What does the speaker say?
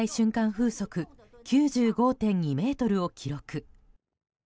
風速９５．２メートルを記録。